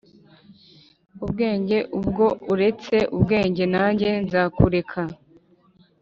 ubwenge Ubwo uretse ubwenge nanjye nzakureka